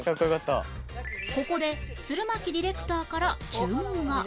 ここで鶴巻ディレクターから注文が